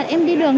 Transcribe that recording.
thì em đi đường